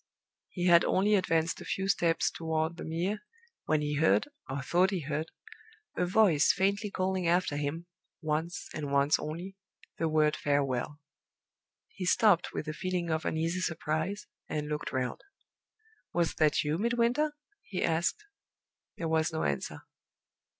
He had only advanced a few steps toward the Mere, when he heard, or thought he heard, a voice faintly calling after him, once and once only, the word Farewell. He stopped, with a feeling of uneasy surprise, and looked round. "Was that you, Midwinter?" he asked. There was no answer.